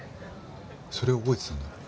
それは覚えてたんだ。